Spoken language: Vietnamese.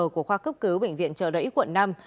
của khoa cấp cứu bệnh viện chợ đẫy quận năm